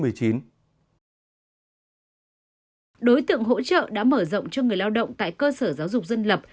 đối tượng hỗ trợ đã mở rộng cho người lao động tại cơ sở giáo dục dân lập